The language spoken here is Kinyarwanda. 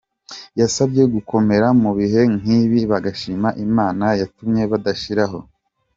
Yabasabye gukomera mu bihe nk'ibi bagashima Imana yatumye badashiraho.